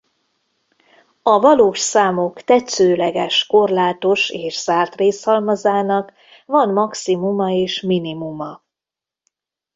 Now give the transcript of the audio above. A valós számok tetszőleges korlátos és zárt részhalmazának van maximuma és minimuma.